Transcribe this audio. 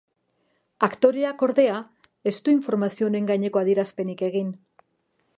Aktoreak, ordea, ez du informazio honen gaineko adierazpenik egin.